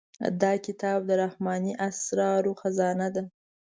دا کتاب د رحماني اسرارو خزانه ده.